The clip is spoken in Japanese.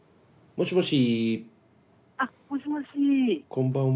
もしもし。